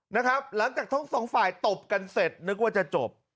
หลังจากทั้งสองฝ่ายตบกันเสร็จนึกว่าจะจบ